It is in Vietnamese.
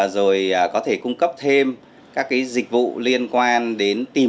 rồi có thể cung cấp thêm các dịch vụ liên quan đến tìm